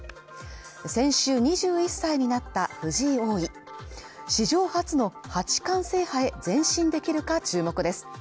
先週２１歳になった藤井王位史上初の８冠制覇へ前進できるか注目です